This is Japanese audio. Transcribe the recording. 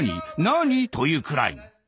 「何？」というくらいの。